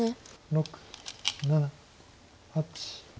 ６７８。